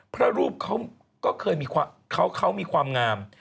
พระรูปเขาก็เคยมีความงาม